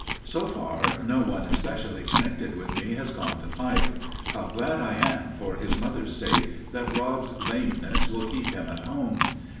So far, no one especially connected with me has gone to fight. How glad I am for his mother's sake that Rob's lameness will keep him at home.